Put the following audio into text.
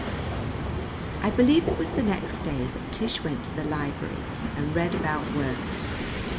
I believe it was the next day that Tish went to the library and read about worms.